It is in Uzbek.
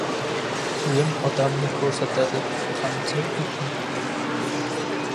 • Kiyim odamni ko‘rsatadi, qamchi — itni.